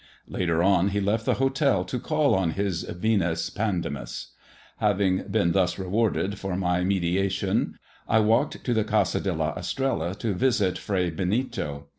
Later on he left the hotel to call on his Venus Pand^os. Having been thus rewarded for my mediation, I walked to the Casa de la Estrella to visit Fray Benito.